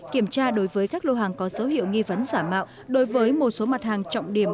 kiểm tra đối với các lô hàng có dấu hiệu nghi vấn xả mạo đối với một số mặt hàng trọng điểm